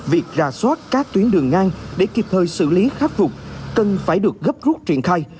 việc ra soát các tuyến đường ngang để kịp thời xử lý khắc phục cần phải được gấp rút triển khai